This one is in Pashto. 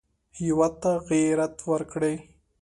هېواد ته غیرت ورکړئ